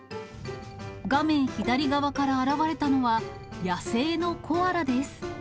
画面左側から現れたのは、野生のコアラです。